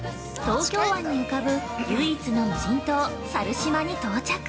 東京湾に浮かぶ唯一の無人島、猿島に到着。